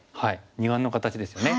二眼の形ですよね。